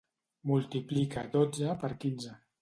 Multiplica dotze per quinze.